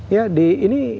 ya di ini